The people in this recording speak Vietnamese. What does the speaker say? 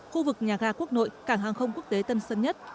khu vực nhà ga quốc nội cảng hàng không quốc tế tân sơn nhất